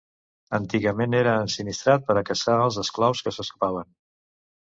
Antigament era ensinistrat per a caçar als esclaus que s'escapaven.